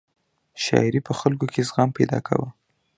شاعرۍ په خلکو کې زغم پیدا کاوه.